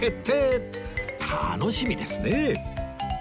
楽しみですね